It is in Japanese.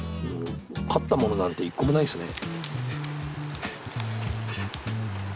買ったものなんて一個もないですね。